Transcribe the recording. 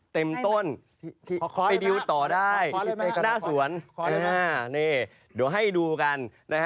เต็มต้นไปดิวต่อได้หน้าสวนนี่เดี๋ยวให้ดูกันนะฮะ